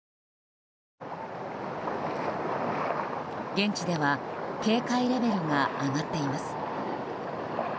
現地では警戒レベルが上がっています。